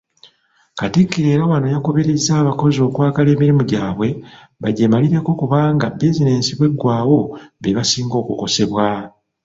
Katikkiro era wano akubirizza abakozi okwagala emirimu gyabwe, bagyemalireko kubanga bizinesi bw'eggwawo bebasinga okukosebwa.